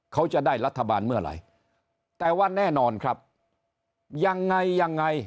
เขาจะได้รัฐบาลเมื่อไหร่แต่ว่าแน่นอนครับยังไงยังไง